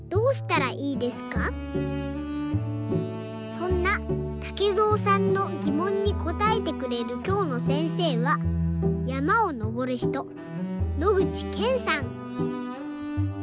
そんなたけぞうさんのぎもんにこたえてくれるきょうのせんせいはやまをのぼるひと野口健さん。